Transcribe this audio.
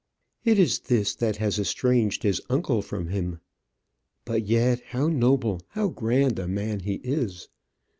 It is this that has estranged his uncle from him. But yet how noble, how grand a man he is!